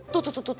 tuh tuh tuh